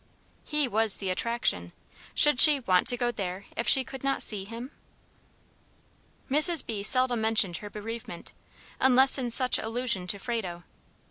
HE was the attraction. Should she "want to go there if she could not see him?" Mrs. B. seldom mentioned her bereavement, unless in such allusion to Frado.